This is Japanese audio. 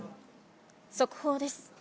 速報です。